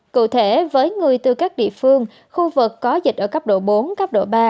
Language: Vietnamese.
cụ thể với người từ các địa phương khu vực có dịch ở cấp độ bốn cấp độ ba